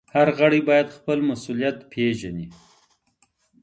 هر غړی بايد خپل مسؤليت پيژني.